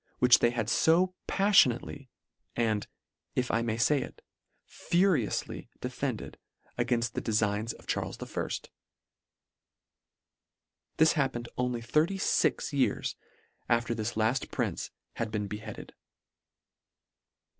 which they had fo paffionately, and, if I may fay it, furiously defended againft. the defigns of Charles I." This happened only thirty fix years after this lafi: prince had been beheaded.